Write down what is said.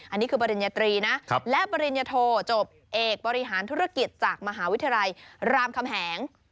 อันนี้คือปริญญาตรีนะและปริญญโทจบเอกบริหารธุรกิจจากมหาวิทยาลัยรามคำแหง